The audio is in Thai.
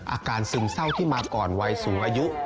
ซึมเศร้าที่มาก่อนวัยสูงอายุ